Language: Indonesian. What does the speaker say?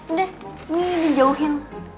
udah ini dijauhin